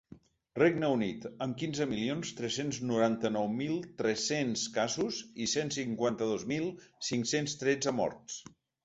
Regne Unit, amb quinze milions tres-cents noranta-nou mil tres-cents casos i cent cinquanta-dos mil cinc-cents tretze morts.